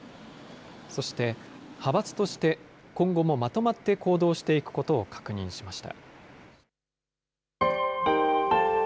そして、派閥として今後もまとまって行動していくことを確認しました。